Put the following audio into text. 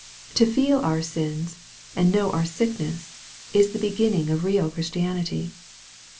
To feel our sins, and know our sick ness is the beginning of real Christianity.